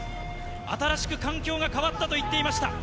新しく環境が変わったと言っていました。